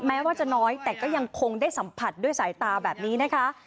แม้ว่าจะน้อยแต่ก็ยังคงได้สัมผัสด้วยสายตาแบบนี้นะคะ